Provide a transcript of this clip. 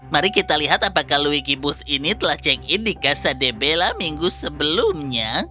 mari kita lihat apakah luigi booth ini telah check in di casa de bella minggu sebelumnya